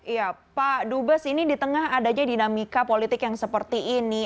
iya pak dubes ini di tengah adanya dinamika politik yang seperti ini